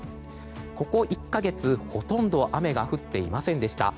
ここ１か月、ほとんど雨が降っていませんでした。